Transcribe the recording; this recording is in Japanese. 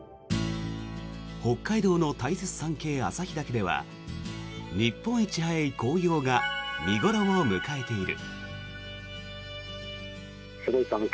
北海道の大雪山系旭岳では日本一早い紅葉が見頃を迎えている。